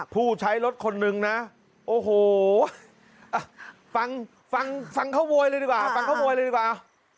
ผู้ใช้รถคนนึงนะโอ้โหฟังเข้าโวยเลยดีกว่า